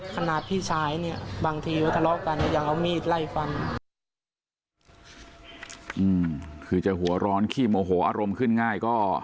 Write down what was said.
ขนาดพี่ชาย